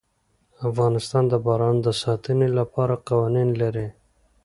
افغانستان د باران د ساتنې لپاره قوانین لري.